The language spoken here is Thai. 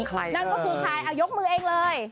เรียกนั้นว่าใครยกมือเอง